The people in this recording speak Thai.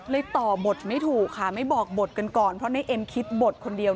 ต่อบทไม่ถูกค่ะไม่บอกบทกันก่อนเพราะในเอ็มคิดบทคนเดียว